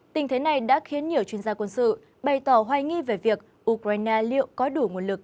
tình thế này đã khiến nhiều chuyên gia quân sự bày tỏ hoài nghi về việc ukraine liệu có đủ nguồn lực